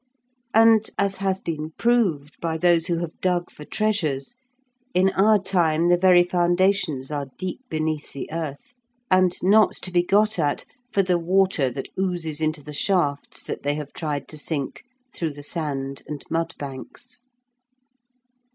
And, as has been proved by those who have dug for treasures, in our time the very foundations are deep beneath the earth, and not to be got at for the water that oozes into the shafts that they have tried to sink through the sand and mud banks.